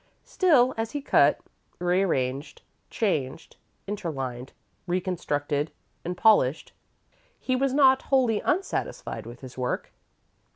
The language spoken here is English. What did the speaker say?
Still, as he cut, rearranged, changed, interlined, reconstructed and polished, he was not wholly unsatisfied with his work.